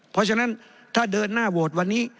เพราะฉะนั้นถ้าเดินหน้าโหวตวันนี้